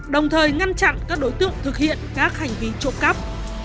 đồng thời ngăn chặn các đối tượng thực hiện các hành vi trộm cắp